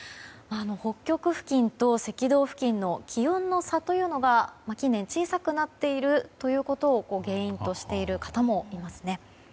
北極付近と赤道付近の気温の差というのが近年、小さくなっているということを原因としている方もいますね。